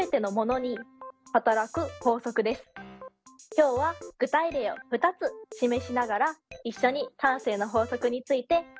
今日は具体例を２つ示しながら一緒に慣性の法則について考えていきましょう。